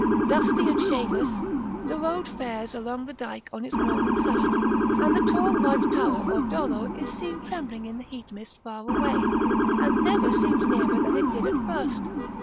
Dusty and shadeless, the road fares along the dyke on its northern side; and the tall white tower of Dolo is seen trembling in the heat mist far away, and never seems nearer than it did at first.